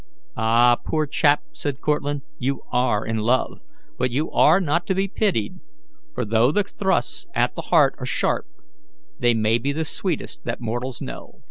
"Ah! poor chap," said Cortlandt, "you are in love, but you are not to be pitied, for though the thrusts at the heart are sharp, they may be the sweetest that mortals know."